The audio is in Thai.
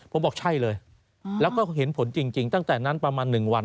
ผมบอกใช่เลยแล้วก็เห็นผลจริงตั้งแต่นั้นประมาณ๑วัน